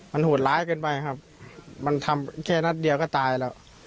มันโหดร้ายเกินไปครับมันทำแค่นัดเดียวก็ตายแล้ว